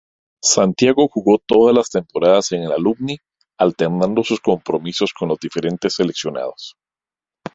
Santiago jugó todas las temporadas en Alumni alternando sus compromisos con los diferentes seleccionados.